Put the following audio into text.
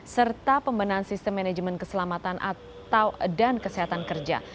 serta pembenahan sistem manajemen keselamatan dan kesehatan kerja